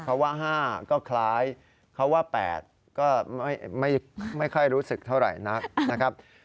เมื่อก็เค้าว่า๕ก็คล้ายเค้าว่า๘ก็ไม่ค่อยรู้สึกเท่าไรนะครับ